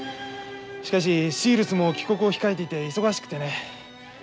しかしシールスも帰国を控えていて忙しくてね。